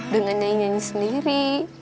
dengan nyanyi nyanyi sendiri